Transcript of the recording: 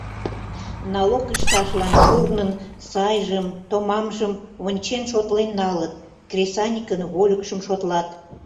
Налог ышташлан шурнын сайжым, томамжым ончен-шотлен налыт, кресаньыкын вольыкшым шотлат.